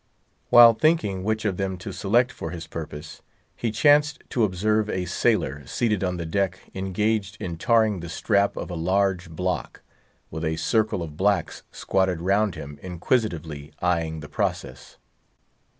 While thinking which of them to select for his purpose, he chanced to observe a sailor seated on the deck engaged in tarring the strap of a large block, a circle of blacks squatted round him inquisitively eying the process.